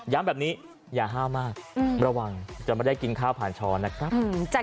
แบบนี้อย่าห้ามมากระวังจะไม่ได้กินข้าวผ่านช้อนนะครับ